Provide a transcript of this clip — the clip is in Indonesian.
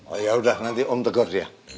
oh yaudah nanti om tegur dia